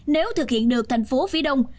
nếu thực hiện được thành phố phía đông